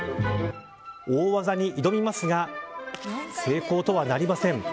大技に挑みますが成功とはなりません。